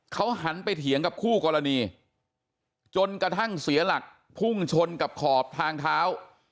เขาหันไปเถียงกับคู่กรณีจนกระทั่งเสียหลักพุ่งชนกับขอบทางเท้า